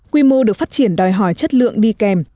quy mô được phát triển đòi hỏi chất lượng đi kèm